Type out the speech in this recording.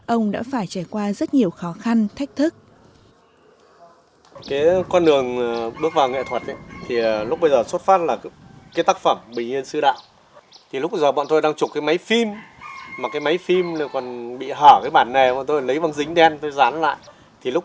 ông đã phải trải qua rất nhiều khó khăn thách thức